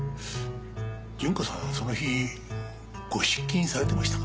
順子さんはその日ご出勤されてましたか？